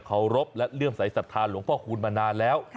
เคารพและเลื่อมใสสัตว์ธานหลวงพ่อคูณมานานแล้ว